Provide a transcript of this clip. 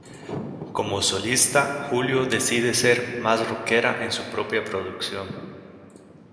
Como solista Julio decide ser más rockera en su propia producción.